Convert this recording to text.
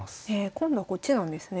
今度はこっちなんですね。